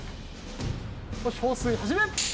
よし放水始め！